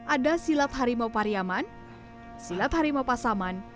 ada silaf harimau pariaman silaf harimau pasaman